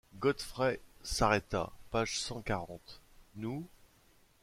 Godfrey s’arrêta. Page cent quarante. — Nous ?…